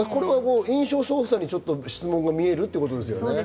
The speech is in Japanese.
印象操作に質問が見えるということですよね。